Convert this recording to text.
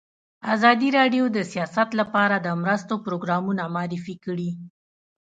ازادي راډیو د سیاست لپاره د مرستو پروګرامونه معرفي کړي.